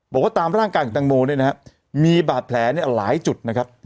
บอกว่าตามร่างกายของตังโมมีบาดแผลหลายจุด